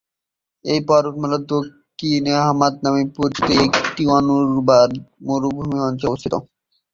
এই পর্বতমালার দক্ষিণে হামাদ নামে পরিচিত একটি অনুর্বর মরুভূমি অঞ্চল অবস্থিত।